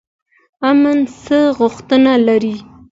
امن څه غوښتنه لري؟